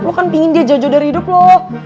lo kan pengen dia jodoh dari hidup lo